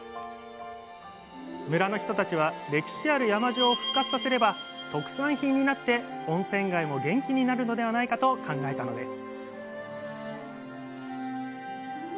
村の人たちは歴史ある山塩を復活させれば特産品になって温泉街も元気になるのではないかと考えたのです